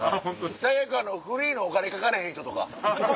最悪フリーのお金かかれへん人とか。